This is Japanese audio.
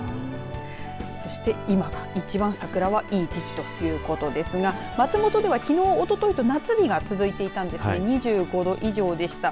そして今、桜が一番いい時期ということですが、松本ではきのうおとといと夏日が続いていたんですが２５度以上でした。